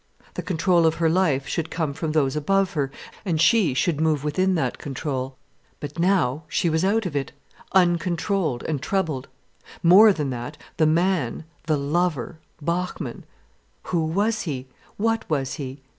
The control of her life should come from those above her, and she should move within that control. But now she was out of it, uncontrolled and troubled. More than that, the man, the lover, Bachmann, who was he, what was he?